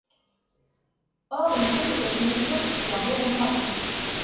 Or, il faut que cette mesure soit réellement appliquée.